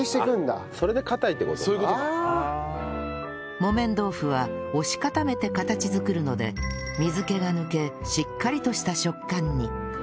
木綿豆腐は押し固めて形作るので水気が抜けしっかりとした食感に